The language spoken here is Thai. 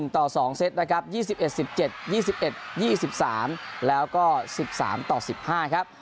ต่อ๒เซตนะครับ๒๑๑๗๒๑๒๓แล้วก็๑๓ต่อ๑๕ครับ